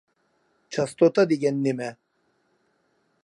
چاستوتا دېگەن نېمە؟